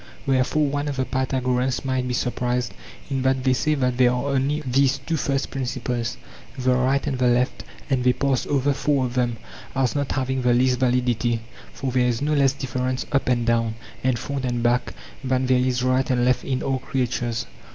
Wherefore one of the Pythagoreans might be surprised in that they say that there are only these two first principles, the right and the left, and they pass over four of them as not having the least validity ; for there is no less difference up and down, and front and back than there is right and left in all creatures.